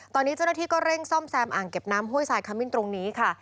ตอนนี้เจ้าหน้าที่ก็เร่งซ่อมแซมอ่างเก็บน้ำห้วยทรายขมิ้นตรงนี้ค่ะ